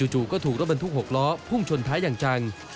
จู่ก็ถูกรถบรรทุก๖ล้อพุ่งชนท้ายอย่างจัง